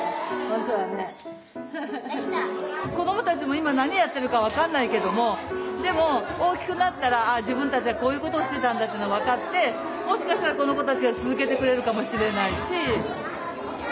子どもたちも今何やってるか分かんないけどもでも大きくなったらああ自分たちはこういうことをしてたんだっていうのが分かってもしかしたらこの子たちが続けてくれるかもしれないし。